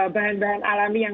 bahan bahan alami yang